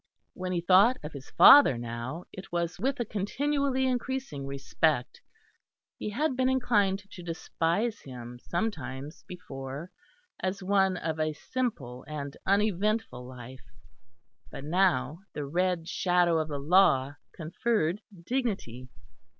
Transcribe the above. When he thought of his father now, it was with a continually increasing respect. He had been inclined to despise him sometimes before, as one of a simple and uneventful life; but now the red shadow of the Law conferred dignity.